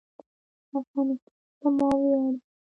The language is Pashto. افغانستان زما ویاړ دی؟